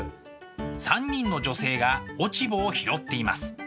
３人の女性が落ち穂を拾っています。